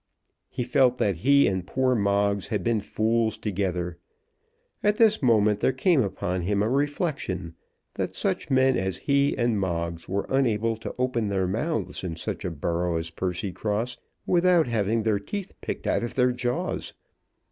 He felt that he and poor Moggs had been fools together. At this moment there came upon him a reflection that such men as he and Moggs were unable to open their mouths in such a borough as Percycross without having their teeth picked out of their jaws.